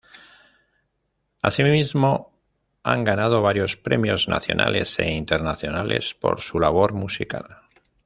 Asímismo han ganado varios premios nacionales e internacionales por su labor musical.